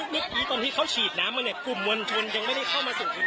นี่ตอนที่เขาฉีดน้ำมาเลยกลุ่มวัญชนยังไม่ได้เข้ามาสู่คุณ